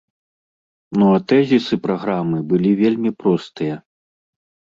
Ну а тэзісы праграмы былі вельмі простыя.